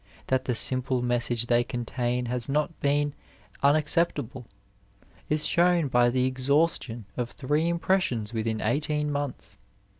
That the fliDiple message they contain has not been unacceptable is shown by the exhaustion ol three impressions within eighteen months.